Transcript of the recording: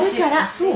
そう？